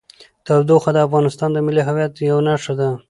تودوخه د افغانستان د ملي هویت یوه نښه ده.